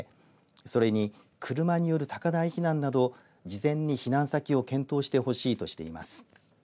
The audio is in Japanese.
それに、車による高台避難など事前に避難先を検討してほしいとしています。